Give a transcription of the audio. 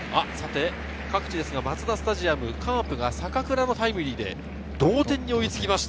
各地ですが、マツダスタジアム、カープが坂倉のタイムリーで同点に追いつきました。